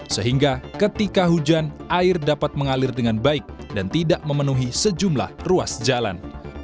sehingga ketika hujan air dapat mengalir dengan baik dan tidak memenuhi sejumlah ruas jalan